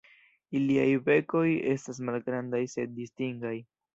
Iliaj bekoj estas malgrandaj sed distingaj.